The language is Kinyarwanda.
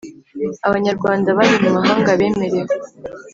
Abanyarwanda bari mu mahanga bemerewe